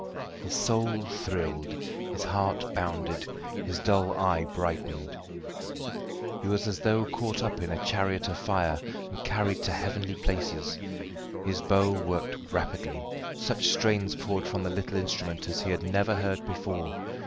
His soul thrilled, his heart bounded, his dull eye brightened. He was as though caught up in a chariot of fire and carried to heavenly places. His bow worked rapidly, such strains poured from the little instrument as he had never heard before.